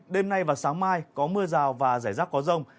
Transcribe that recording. đêm nay và sáng mai có mưa rào và rải rác có rông